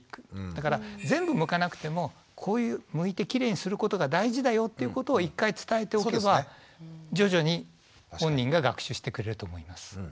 だから全部むかなくてもむいてキレイにすることが大事だよっていうことを１回伝えておけば徐々に本人が学習してくれると思います。